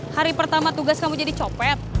hari pertama tugas kamu jadi copet